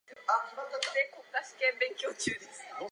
船が東インドに向う頃から、海が荒れだし、船員たちは大そう弱っていました。